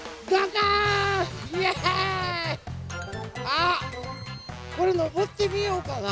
あっこれのぼってみようかな。